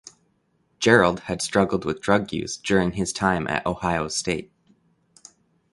Gerald had struggled with drug use during his time at Ohio State.